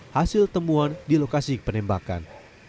hasil temuan di lokasi penembakan